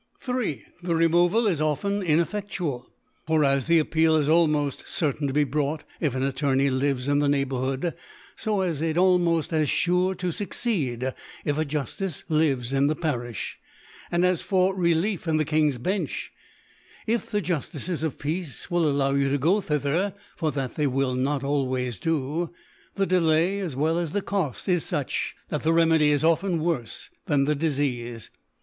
3. The Removal is often inefFeftual t for as the Appeal is almoft certain to be brought, if an Attorney lives in the Neighbourhood ; fo is it almoft as fure to fucceed, if a Juftice lives in the Parifh, And as for Relief in the King's Bench, if the Juftices of Peace will allow you to go thither, (for that they will not always do) the Delay as well as the Coft is fuch, that the Remedy is often worfe than the Difeafc.